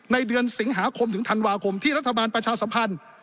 ในเดือนสิงหาคมถึงธันวาคมที่รัฐบาลประชาสัมพันธ์